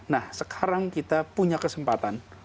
nah sekarang kita punya kesempatan